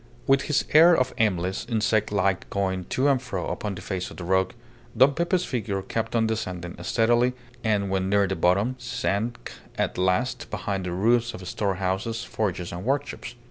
With his air of aimless, insect like going to and fro upon the face of the rock, Don Pepe's figure kept on descending steadily, and, when near the bottom, sank at last behind the roofs of store houses, forges, and workshops.